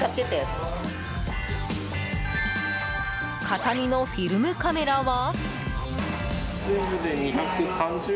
形見のフィルムカメラは？